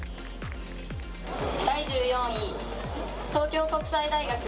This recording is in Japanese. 第１４位、東京国際大学。